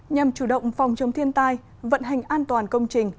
nhằm chủ động phòng chống thiên tai vận hành an toàn công trình